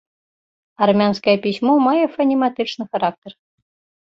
Армянскае пісьмо мае фанематычны характар.